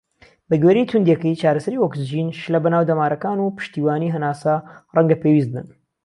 بەگوێرەی تووندیەکەی، چارەسەری ئۆکسجین، شلە بە ناو دەمارەکان، و پشتیوانی هەناسە ڕەنگە پێویست بن.